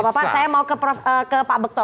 bapak bapak saya mau ke pak bekto